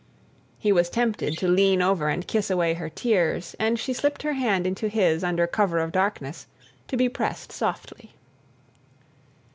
He was tempted to lean over and kiss away her tears, and she slipped her hand into his under cover of darkness to be pressed softly.